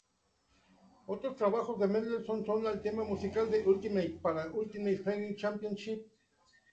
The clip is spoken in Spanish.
Otros trabajos de Mendelson son: el tema musical "The Ultimate" para Ultimate Fighting Championship.